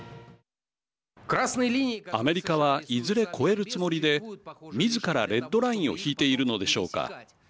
アメリカはいずれ超えるつもりでみずからレッドラインを引いているのでしょうか。